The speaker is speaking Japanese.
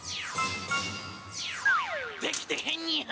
できてへんニャ。